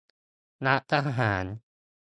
รักทหาร